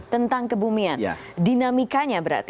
tentang kebumian dinamikanya berarti